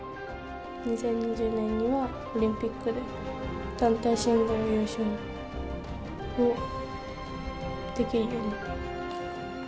２０２０年にはオリンピックで団体、シングルス優勝をできるように。